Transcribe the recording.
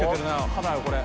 刃だよこれ。